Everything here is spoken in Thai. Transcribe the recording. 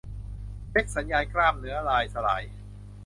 เช็กสัญญาณกล้ามเนื้อลายสลาย